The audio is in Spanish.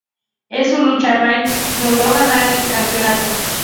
En su lucha, Rayne logró ganar el campeonato.